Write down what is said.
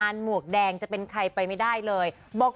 หมวกแดงจะเป็นใครไปไม่ได้เลยบอก